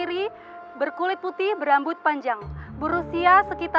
berkulit putih berkulit putih berkulit putih berkulit putih berkulit putih berkulit putih berkulit putih